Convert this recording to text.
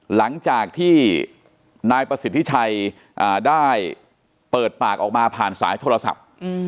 หลังจากที่นายประสิทธิชัยได้เปิดปากออกมาผ่านสายโทรศัพท์